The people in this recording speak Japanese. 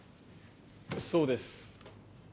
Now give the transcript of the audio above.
そうです。